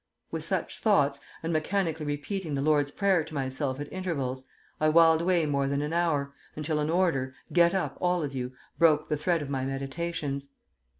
With such thoughts, and mechanically repeating the Lord's Prayer to myself at intervals, I whiled away more than an hour, until an order, 'Get up, all of you,' broke the thread of my meditations.